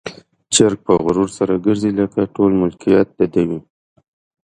چرګ په غرور سره ګرځي، لکه چې ټول ملکيت د ده وي.